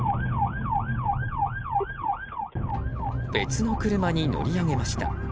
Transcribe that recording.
別の車に乗り上げました。